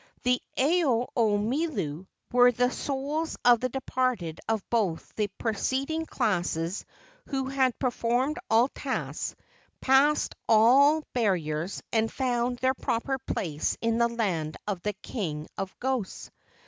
The Ao o Milu were the souls of the departed of both the preceding classes who had performed all tasks, passed all barriers, and found their proper place in the land of the king of ghosts.